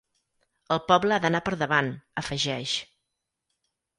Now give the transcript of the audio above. El poble ha d’anar per davant, afegeix.